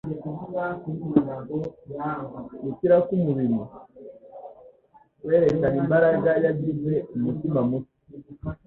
Gukira k'umubiri, kwerekanye imbaraga yagize umutima mushya.